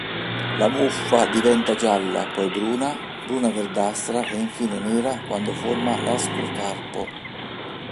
La muffa diventa gialla, poi bruna, bruna-verdastra e infine nera quando forma l'ascocarpo.